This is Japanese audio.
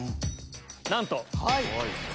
なんと！